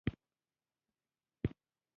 د برونکوسکوپي سږي معاینه کوي.